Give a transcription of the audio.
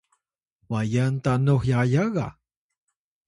wayan tanux yaya ga